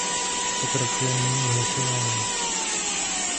Pokračujeme nyní v hlasování.